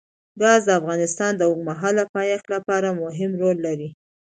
ګاز د افغانستان د اوږدمهاله پایښت لپاره مهم رول لري.